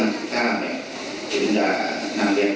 แต่ฟักก็แจ้งให้เราให้สมุติวัตรฐานกันต่อไป